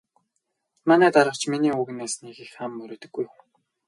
Манай дарга ч миний үгнээс нэг их ам мурийдаггүй хүн.